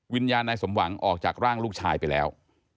นายสมหวังออกจากร่างลูกชายไปแล้ว